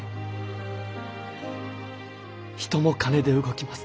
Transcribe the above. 人も金で動きます。